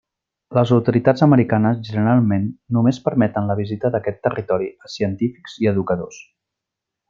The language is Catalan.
Les autoritats americanes generalment, només permeten la visita d'aquest territori a científics i educadors.